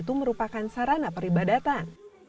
itu merupakan sarana peribadatan